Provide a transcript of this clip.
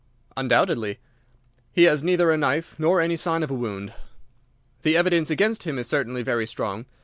"Undoubtedly. He has neither a knife nor any sign of a wound. The evidence against him is certainly very strong.